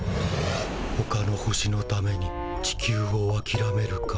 ほかの星のために地球をあきらめるか。